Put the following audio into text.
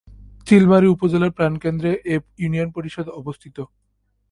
চিলমারী উপজেলার প্রাণকেন্দ্রে এ ইউনিয়ন পরিষদটি অবস্থিত।